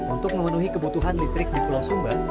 untuk memenuhi kebutuhan listrik di pulau sumba